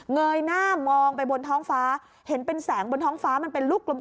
เงยหน้ามองไปบนท้องฟ้าเห็นเป็นแสงบนท้องฟ้ามันเป็นลูกกลม